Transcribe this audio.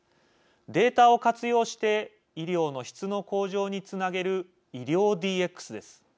データを活用して医療の質の向上につなげる医療ＤＸです。